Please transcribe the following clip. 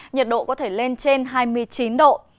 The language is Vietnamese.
nhiệt độ có thể lên trên hai mươi chín độ